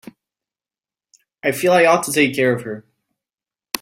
I feel I ought to take care of her.